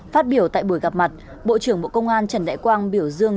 phát biểu tại buổi gặp mặt bộ trưởng bộ công an trần đại quang biểu dương